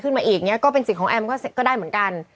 ขึ้นมาอีกอย่างงี้ก็เป็นสิ่งของแอมก็ได้เหมือนกัน